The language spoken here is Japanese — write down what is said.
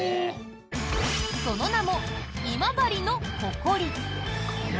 その名も、今治のホコリ。